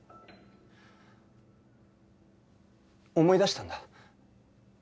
思い出したんだ。